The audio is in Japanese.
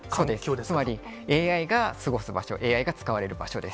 つまりＡＩが過ごす場所、ＡＩが使われる場所です。